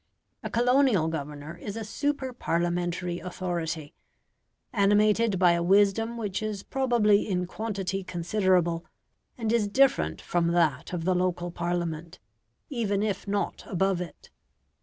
A colonial governor is a super Parliamentary authority, animated by a wisdom which is probably in quantity considerable, and is different from that of the local Parliament, even if not above it.